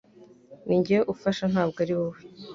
Ninjye ufasha ntabwo ari wowe